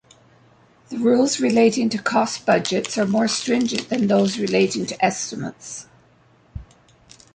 The rules relating to costs budgets are more stringent than those relating to estimates.